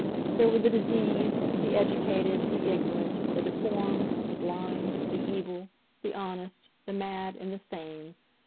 There were the diseased, the educated, the ignorant, the deformed, the blind, the evil, the honest, the mad, and the sane.